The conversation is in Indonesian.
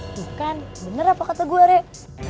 itu kan bener apa kata gue rek